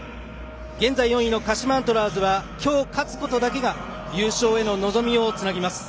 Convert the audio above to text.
現在４位の鹿島アントラーズは今日、勝つことだけが優勝への望みをつなぎます。